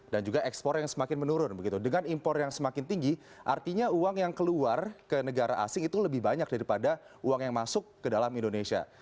dan juga ekspor yang semakin menurun begitu dengan impor yang semakin tinggi artinya uang yang keluar ke negara asing itu lebih banyak daripada uang yang masuk ke dalam indonesia